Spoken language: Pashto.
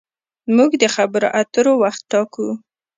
موږ د خبرو اترو وخت ټاکو.